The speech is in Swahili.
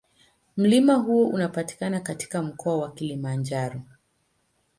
Mlima huo unapatikana katika Mkoa wa Kilimanjaro.